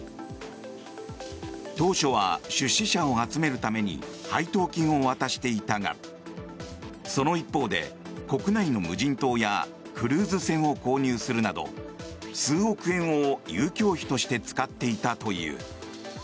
当初は出資者を集めるために配当金を渡していたがその一方で、国内の無人島やクルーズ船を購入するなど数億円を遊興費として使っていたという。